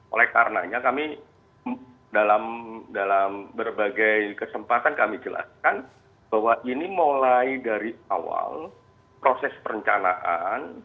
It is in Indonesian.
oleh karenanya kami dalam berbagai kesempatan kami jelaskan bahwa ini mulai dari awal proses perencanaan